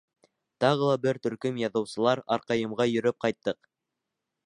Тағы ла бер төркөм яҙыусылар Арҡайымға йөрөп ҡайттыҡ.